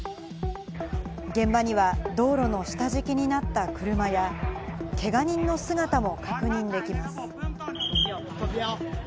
現場には道路の下敷きになった車やけが人の姿も確認できます。